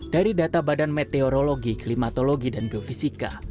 dari data badan meteorologi klimatologi dan geofisika